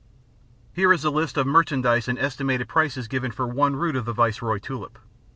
Here is the list of merchandise and estimated prices given for one root of the Viceroy tulip.